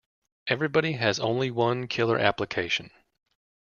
Everybody has only one killer application.